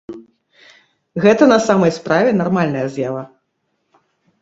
Гэта на самай справе нармальная з'ява.